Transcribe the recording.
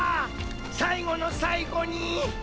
さいごのさいごに。